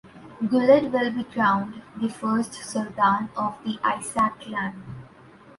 Guled would be crowned the first Sultan of the Isaaq clan.